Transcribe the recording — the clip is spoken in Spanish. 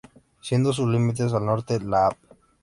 Siendo sus límites: al norte la Av.